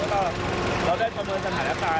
แล้วก็เราก็ได้บรรเวิร์ดสถานการณ์นะครับ